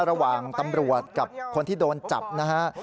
ระหว่างตำรวจกับคนที่โดนจับนะฮะ